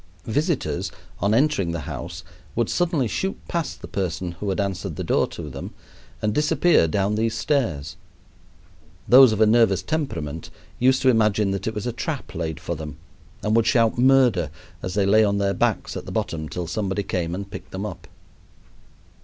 Visitors on entering the house would suddenly shoot past the person who had answered the door to them and disappear down these stairs. Those of a nervous temperament used to imagine that it was a trap laid for them, and would shout murder as they lay on their backs at the bottom till somebody came and picked them up.